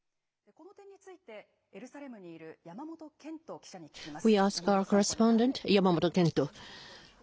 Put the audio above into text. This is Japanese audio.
この点について、エルサレムにいる山本健人記者に聞きます。